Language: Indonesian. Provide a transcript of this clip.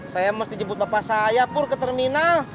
saya mesti jemput bapak saya pur ke terminal